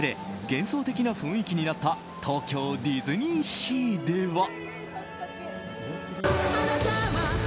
幻想的な雰囲気になった東京ディズニーシーでは。